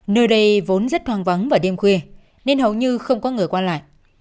nơi đây vốn rất hoang vắng vào đêm khuya nên hầu như không có người qua lại